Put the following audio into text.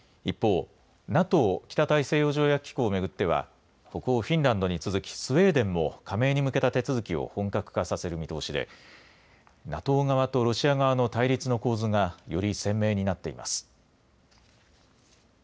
一方、ＮＡＴＯ・北大西洋条約機構を巡っては北欧フィンランドに続きスウェーデンも加盟に向けた手続きを本格化させる見通しでＮＡＴＯ側とロシア側の対立の構図がより鮮明になっています。